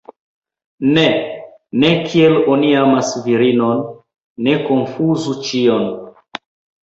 Ne, ne kiel oni amas virinon, ne konfuzu ĉion.